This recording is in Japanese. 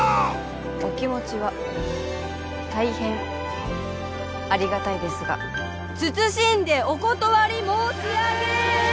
お気持ちは大変ありがたいですが謹んでお断り申し上げダメ！